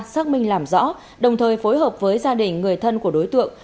xác minh làm rõ đồng thời phối hợp với gia đình người thân của đối tượng